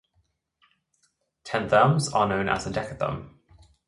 Ten therms are known as a decatherm.